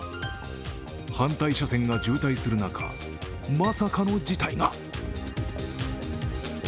反対車線が渋滞する中まさかの事態が。